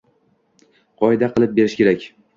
qoida qilib berish kerak